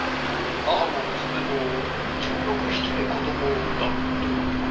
母も娘も１６１７で子供を産んだってわけだな。